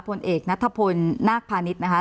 พลเอกนัทพลนาคพาณิชย์นะคะ